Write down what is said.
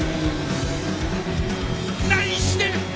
何してる！